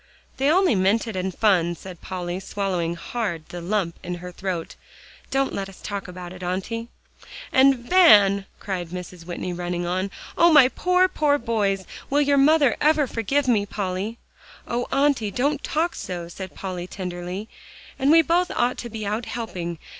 "They only meant it in fun," said Polly, swallowing hard the lump in her throat, "don't let us talk about it, Auntie." "And Van," cried Mrs. Whitney, running on. "Oh! my poor, poor boys. Will your mother ever forgive me, Polly?" "Oh, Auntie! don't talk so," said Polly tenderly; "and we both ought to be out helping.